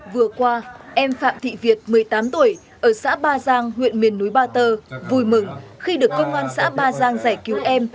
vừa qua em phạm thị việt một mươi tám tuổi ở xã ba giang huyện miền núi ba tơ vui mừng khi được công an xã ba giang giải cứu em